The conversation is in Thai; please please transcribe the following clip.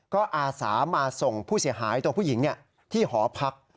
ก็อาสามาส่งผู้เสียหายตัวผู้หญิงที่หอพัก